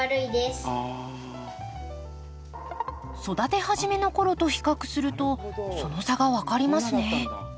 育て始めの頃と比較するとその差が分かりますね。